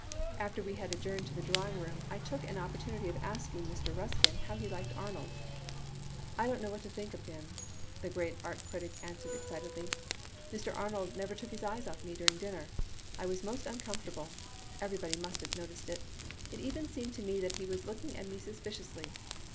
After we had adjourned to the drawing room, I took an opportunity of asking Mr. Ruskin how he liked Arnold. *I don't know what to think of him,' the great art critic answered, excitedly. *Mr. Arnold never took his eyes off me during dinner. I was most uncomfortable. Everybody must have noticed it. It even seemed to me that he was looking at me suspi ciously.